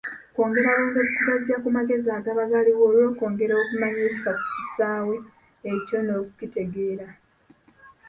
Kwongera bwongezi kugaziya ku magezi agaba galiwo olwokwongera okumanya ebifa ku kisaawe ekyo n’okukitegeera.